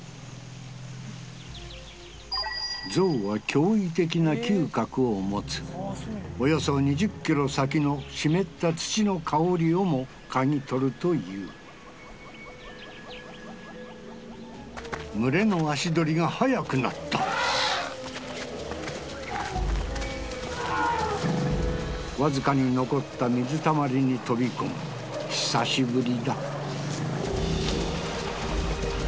ゾウは驚異的な嗅覚を持つおよそ２０ｋｍ先の湿った土の香りをも嗅ぎとるという群れの足取りが速くなったわずかに残った水たまりに飛び込む久しぶりだ